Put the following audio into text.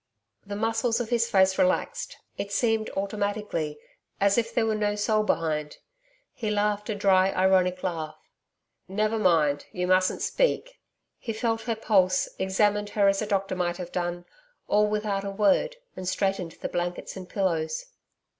The muscles of his face relaxed, it seemed automatically, as if there were no soul behind. He laughed a dry ironic laugh. 'Never mind. You mustn't speak.' He felt her pulse, examined her as a doctor might have done all without a word, and straightened the blankets and pillows.